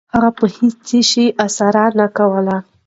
هغه په هیڅ شي اسره نه کوله. .